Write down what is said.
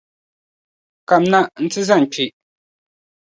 Kamina nti zani kpe.